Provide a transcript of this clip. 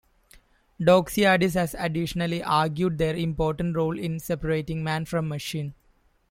Doxiadis has additionally argued their important role in separating man from machine.